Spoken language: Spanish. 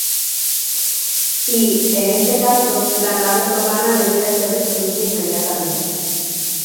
Y, en este caso, la nave otomana debía ser destruida inmediatamente.